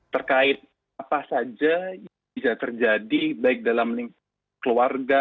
terkait apa saja yang bisa terjadi baik dalam lingkungan keluarga